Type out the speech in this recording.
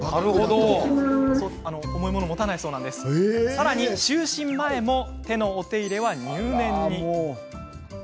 さらに、就寝前も手のお手入れは入念に。